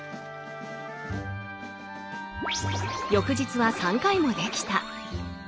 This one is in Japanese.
翌日は３回もできた。